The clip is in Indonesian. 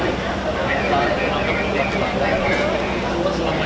kita mengangkap perluan kita mengangkap untuk memikat perangdet